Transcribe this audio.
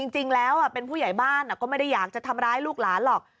จริงแล้วเป็นผู้ใหญ่บ้านก็ไม่ได้อยากจะทำร้ายลูกหลานหรอก